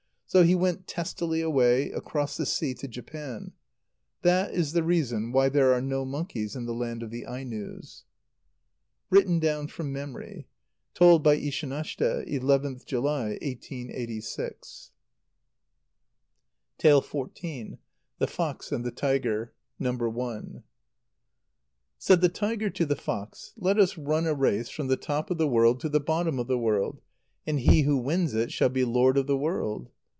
So he went testily away, across the sea to Japan. That is the reason why there are no monkeys in the land of the Ainos. (Written down from memory. Told by Ishanashte, 11th July, 1886.) xiv. The Fox and the Tiger. (No. I.) Said the tiger to the fox: "Let us run a race from the top of the world to the bottom of the world, and he who wins it shall be lord of the world!"